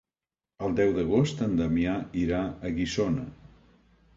El deu d'agost en Damià irà a Guissona.